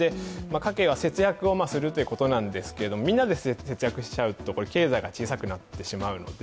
家計は節約をするということなんですがみんなで節約しちゃうと経済が小さくなってしまうので、